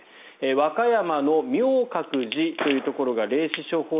和歌山の明覚寺というところが霊視商法